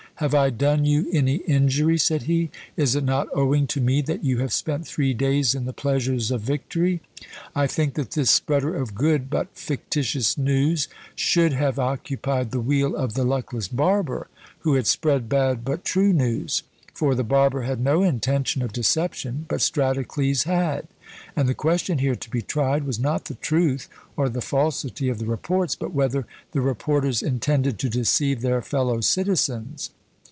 "Have I done you any injury?" said he. "Is it not owing to me that you have spent three days in the pleasures of victory?" I think that this spreader of good, but fictitious news, should have occupied the wheel of the luckless barber, who had spread bad but true news; for the barber had no intention of deception, but Stratocles had; and the question here to be tried, was not the truth or the falsity of the reports, but whether the reporters intended to deceive their fellow citizens?